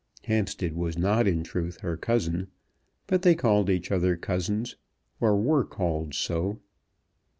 Hampstead was not in truth her cousin, but they called each other cousins, or were called so.